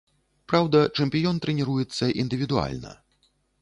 Праўда, чэмпіён трэніруецца індывідуальна.